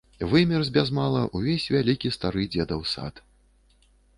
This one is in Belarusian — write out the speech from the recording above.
Вымерз без мала ўвесь вялікі стары дзедаў сад.